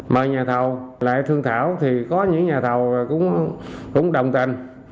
mời nhà thầu lại thương thảo thì có những nhà thầu cũng đồng tình